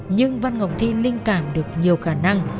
nhưng văn ngọc thi linh cảm được nhiều khả năng